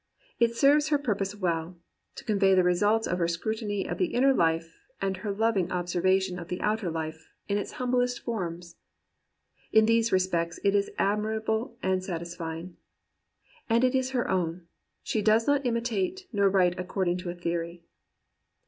It serves her purpose well — to convey the results of her scrutiny of the inner life and her loving observation of the outer life in its humblest forms. In these respects it is admirable and satisfying. And it is her own — ^she does not imitate, nor write according to a theory.